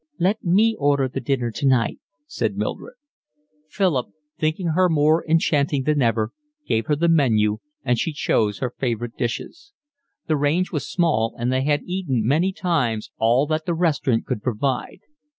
"Let me order the dinner tonight," said Mildred. Philip, thinking her more enchanting than ever, gave her the menu, and she chose her favourite dishes. The range was small, and they had eaten many times all that the restaurant could provide.